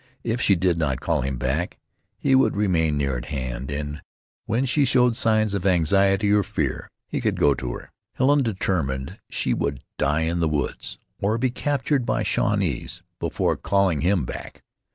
If she did not call him back he would remain near at hand, and when she showed signs of anxiety or fear he could go to her. Helen determined she would die in the woods, or be captured by Shawnees, before calling him back.